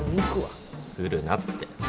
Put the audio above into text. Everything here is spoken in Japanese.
来るなって。